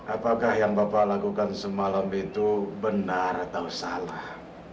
apakah yang bapak lakukan semalam itu benar atau salah